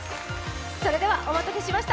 それではお待たせしました。